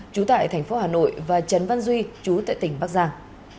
trú tại thành phố hà nội và trấn văn duy chú tại tỉnh bắc giang